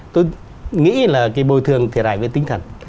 tôi nghĩ là cái bồi thường thiệt hại về tinh thần